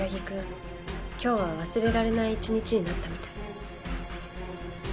今日は忘れられない一日になったみたい。